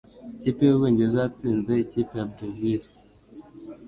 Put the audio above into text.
Ikipe y'Ubwongereza yatsinze ikipe ya Berezile